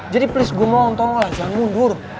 jadi please gue mohon tolonglah jangan mundur